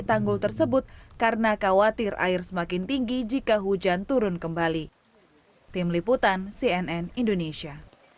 tanggul tersebut karena khawatir air semakin tinggi jika hujan turun kembali tim liputan cnn indonesia